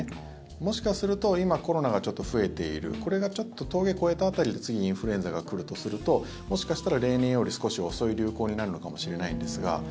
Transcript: もしかすると今、コロナがちょっと増えているこれがちょっと峠を越えた辺りで次、インフルエンザが来るとするともしかしたら例年より少し遅い流行になるのかもしれないんですが。